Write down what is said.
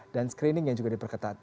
dan screening yang juga diperketat